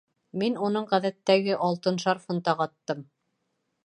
Мин уның ғәҙәттәге алтын шарфын тағаттым.